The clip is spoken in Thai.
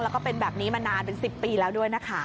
แล้วก็เป็นแบบนี้มานานเป็น๑๐ปีแล้วด้วยนะคะ